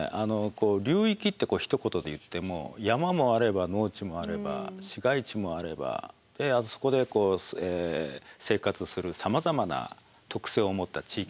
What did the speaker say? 流域ってひと言で言っても山もあれば農地もあれば市街地もあればそこで生活するさまざまな特性を持った地域社会もあると。